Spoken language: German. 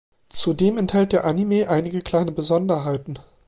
Zudem enthält der Anime einige kleine Besonderheiten.